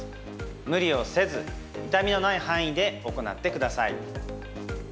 無理をせず、痛みのない範囲で行ってください。